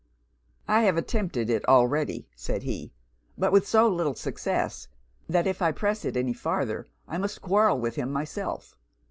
'I have attempted it already,' said he; 'but with so little success, that if I press it any farther I must quarrel with him myself.